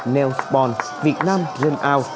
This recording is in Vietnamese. nail spawn việt nam run out